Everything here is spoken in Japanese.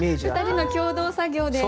２人の共同作業で。